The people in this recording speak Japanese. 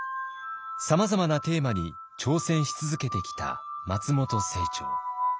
さまざまなテーマに挑戦し続けてきた松本清張。